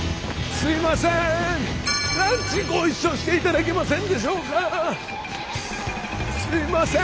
すいません！